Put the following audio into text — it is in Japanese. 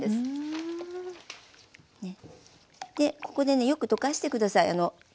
ここでねよく溶かして下さい。